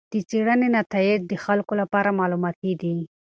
د څېړنې نتایج د خلکو لپاره معلوماتي دي.